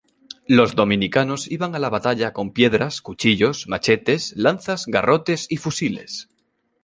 Los dominicanos iban a la batalla con piedras, cuchillos, machetes, lanzas, garrotes y fusiles.